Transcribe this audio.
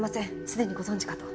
すでにご存じかと。